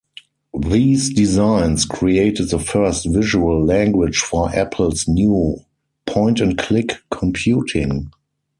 These designs created the first visual language for Apple's new point-and-click computing.